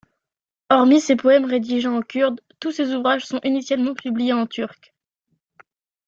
Hormis ses poèmes rédigés en kurde, tous ses ouvrages sont initialement publiés en turc.